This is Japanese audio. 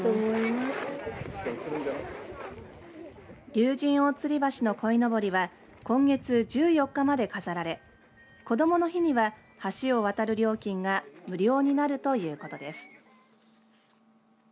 竜神大吊橋のこいのぼりは今月１４日まで飾られこどもの日には橋を渡る料金が無料になるということです。